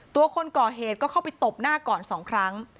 คนก่อเหตุก็เข้าไปตบหน้าก่อน๒ครั้ง